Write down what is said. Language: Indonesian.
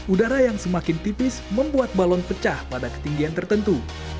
udara yang semakin tipis membuat balon pecah pada ketinggian tertentu